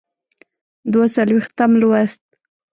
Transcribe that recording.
دوه څلویښتم لوست.